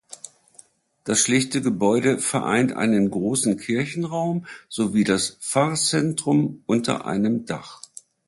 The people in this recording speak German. Das schlichte Gebäude vereint einen großen Kirchenraum sowie das Pfarrzentrum unter einem Dach.